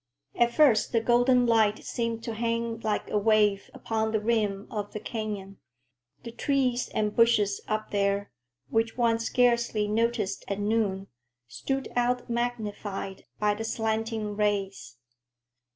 At first the golden light seemed to hang like a wave upon the rim of the canyon; the trees and bushes up there, which one scarcely noticed at noon, stood out magnified by the slanting rays.